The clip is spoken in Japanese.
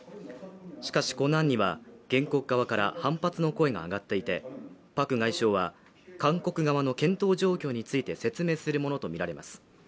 しかしこの案には原告側から反発の声が上がっていてパク外相は韓国側の検討状況について説明するものと見られます